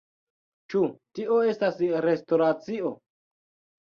Ĉu tio estas restoracio?